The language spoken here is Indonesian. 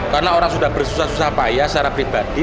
karena orang sudah bersusah susah payah secara pribadi